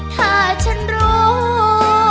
ถ้าฉันรู้